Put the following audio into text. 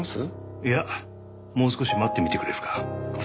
いやもう少し待ってみてくれるか？